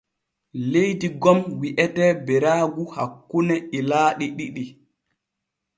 Leydi gom wi’etee Beraagu hakkune ilaaɗi ɗiɗi.